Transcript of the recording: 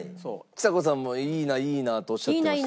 ちさ子さんも「いいないいな」とおっしゃってました。